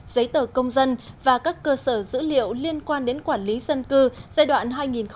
giấy tờ công dân và các cơ sở dữ liệu liên quan đến quản lý dân cư giai đoạn hai nghìn một mươi sáu hai nghìn hai mươi